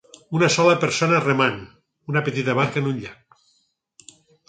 Una sola persona remant una petita barca en un llac.